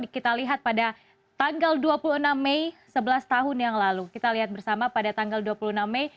kita lihat pada tanggal dua puluh enam mei sebelas tahun yang lalu kita lihat bersama pada tanggal dua puluh enam mei